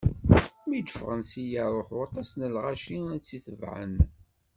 Mi d-ffɣen si Yariḥu, aṭas n lɣaci i t-itebɛen.